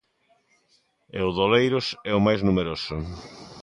E o de Oleiros é o máis numeroso.